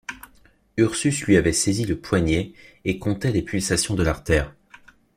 Ursus lui avait saisi le poignet, et comptait les pulsations de l’artère.